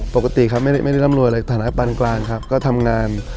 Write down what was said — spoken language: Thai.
ปกติแหละครับไม่ได้รัมรวยเลยถนัดปรานกลาง